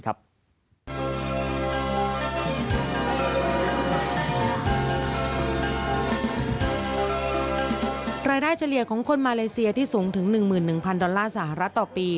รายได้เฉลี่ยของคนมาเลเซียที่สูงถึง๑๑๐๐ดอลลาร์สหรัฐต่อปี